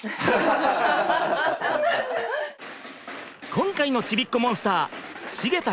今回のちびっこモンスター繁田